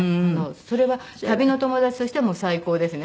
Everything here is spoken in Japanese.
それは旅の友達としても最高ですね。